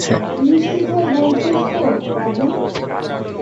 নিশ্চিত হয়ে বলছিস তো, বাবু?